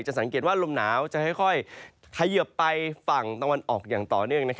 สังเกตว่าลมหนาวจะค่อยเขยิบไปฝั่งตะวันออกอย่างต่อเนื่อง